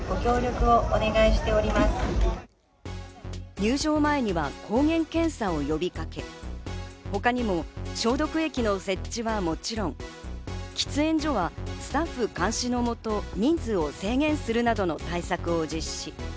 入場前には抗原検査を呼びかけ、他にも消毒液の設置はもちろん、喫煙所はスタッフ監視のもと人数を制限するなどの対策を実施。